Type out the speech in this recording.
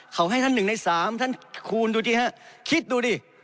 เขาให้ท่าน๑ใน๓คูณดูกิ่งค่ะคิดดูดิ